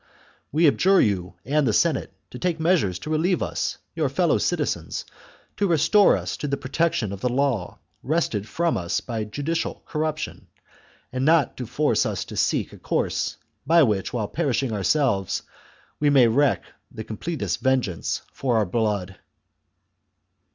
We adjure you and the Senate to take measures to relieve us, your fellow citizens, to restore to us the protection of the law, wrested from us by judicial corruption, and not to force us to seek a course, by which, while perishing ourselves, we may wreak the completest vengeance for our blood."